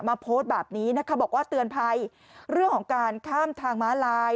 โพสต์แบบนี้นะคะบอกว่าเตือนภัยเรื่องของการข้ามทางม้าลาย